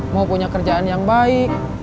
mau punya kerjaan yang baik